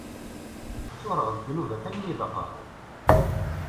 Ččureɣ d ddnubat armi d aqerru.